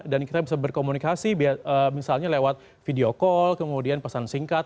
dan kita bisa berkomunikasi misalnya lewat video call kemudian pesan singkat